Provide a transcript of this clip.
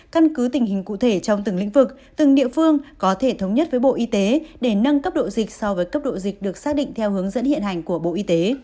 căn cứ tình hình cụ thể trong từng lĩnh vực từng địa phương có thể thống nhất với bộ y tế để nâng cấp độ dịch so với cấp độ dịch được xác định theo hướng dẫn hiện hành của bộ y tế